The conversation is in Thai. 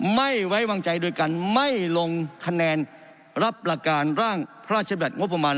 ไม่ไว้วางใจโดยการไม่ลงคะแนนรับประการร่างพระราชบัติงบประมาณ